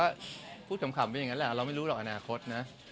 เราคุกถ้ำขำไปอย่างนั้นแหละเราไม่รู้หรอกอนาคตนะ